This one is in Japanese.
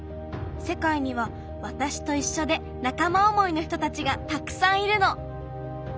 世界にはわたしといっしょで仲間思いの人たちがたくさんいるの。